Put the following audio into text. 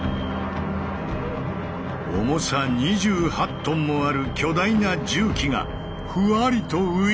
重さ２８ｔもある巨大な重機がふわりと浮いた！